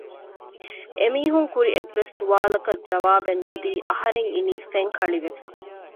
އެމީހުން ކުރި އެއްވެސް ސުވާލަކަށް ޖަވާބެއް ނުދީ އަހަރެން އިނީ ފެންކަޅިވެފަ